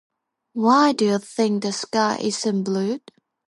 Why do you think the sky isn't blue?